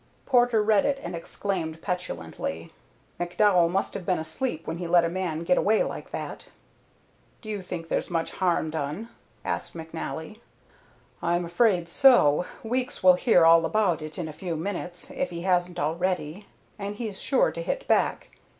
Porter read it and exclaimed petulantly, "McDowell must have been asleep when he let a man get away like that." "Do you think there's much harm done?" asked McNally. "I'm afraid so. Weeks will hear all about it in a few minutes, if he hasn't already, and he's sure to hit back.